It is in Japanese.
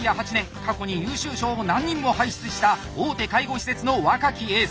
過去に優秀賞を何人も輩出した大手介護施設の若きエース！